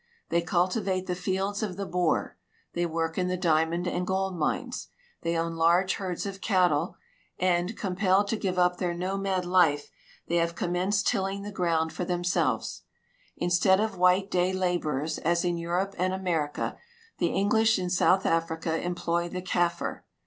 They cultivate the fields of the Boer ; they work in the diamond and gold mines; the}' own large herds of cattle, and, compelled to give up their nomad life, the}' have com menced tilling the ground for themselves. Instead of white day laborers, as in Europe and America, the English in South Africa employ the Kaffir.